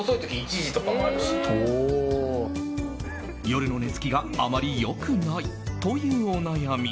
夜の寝つきがあまり良くないというお悩み。